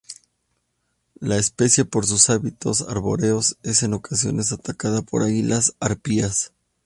La especie por sus hábitos arbóreos es en ocasiones atacada por águilas arpías.